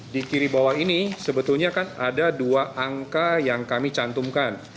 di kiri bawah ini sebetulnya kan ada dua angka yang kami cantumkan